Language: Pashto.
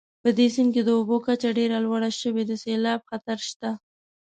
په دې سیند کې د اوبو کچه ډېره لوړه شوې د سیلاب خطر شته